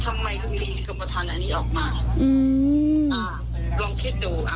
ทำไมก็มีสมทรรณอันนี้ออกมา